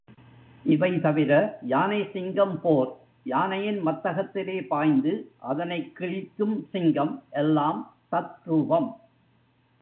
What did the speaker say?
இவை தவிர யானை சிங்கம் போர், யானையின் மத்தகத்திலே பாய்ந்து அதனைக் கிழிக்கும் சிங்கம் எல்லாம் தத்ரூபம்.